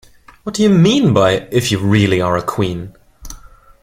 What do you mean by “If you really are a Queen”?